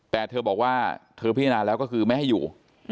แต่เธอบอกว่าเธอพิจารณาแล้วก็คือไม่ให้อยู่